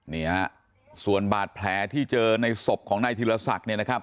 นี่ฮะส่วนบาดแผลที่เจอในศพของนายธีรศักดิ์เนี่ยนะครับ